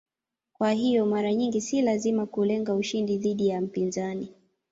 Kwa hiyo mara nyingi si lazima kulenga ushindi dhidi ya mpinzani.